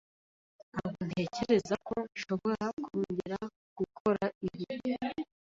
Ntabwo ntekereza ko nshobora kongera gukora ibi.